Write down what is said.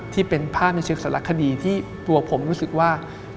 ที่เป็นภาพในเชิงสารคดีที่ตัวผมรู้สึกว่า